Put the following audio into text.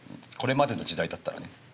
これまでの時代だったらね。